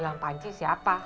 jangan tuji ya bang